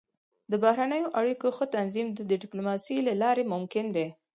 د بهرنیو اړیکو ښه تنظیم د ډيپلوماسۍ له لارې ممکن دی.